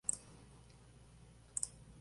Carlos Sainz Jr.